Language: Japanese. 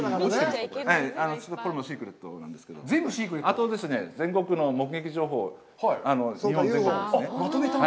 あとですね、全国の目撃情報、日本全国ですね。